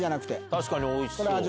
確かにおいしそう。